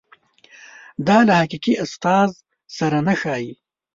دا له حقیقي استاد سره نه ښايي.